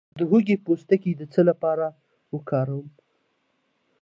د هوږې پوستکی د څه لپاره وکاروم؟